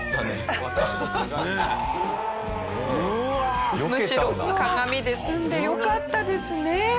驚きすぎてむしろ鏡で済んでよかったですね。